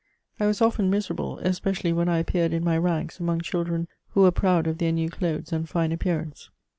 I was often miserable , especially when I appeared in my rags among children who were proud of their new clothes and fine appearance.